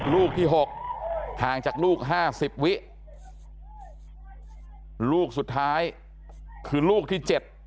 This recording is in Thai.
ลูกที่๖ห่างจากลูกห้าสิบวิลูกสุดท้ายคือลูกที่๗